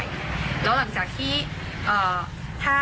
แล้วก็ตรงนี้เป็นอาการทั้งหมดหลังจากที่เรารับยาว่าแพ้อย่างไร